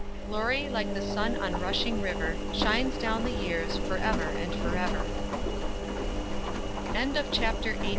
Glory, like the sun on rushing river, Shines down the years, forever, and forever! CHAPTER XIX.